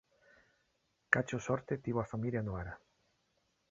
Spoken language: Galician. Cacho sorte tivo a familia Nohara!